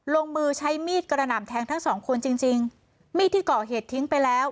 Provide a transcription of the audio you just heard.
ลงมือใช้มีดกระหน่ำแทงทั้งสองคนจริงจริงมีดที่ก่อเหตุทิ้งไปแล้ว